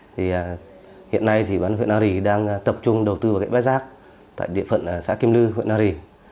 thì hiện nay thì bán huyện na rì đang tập trung đầu tư vào cái bãi rác tại địa phận xã kim lư huyện na rì